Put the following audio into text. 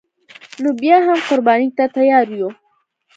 نو بیا هم قربانی ته تیار یو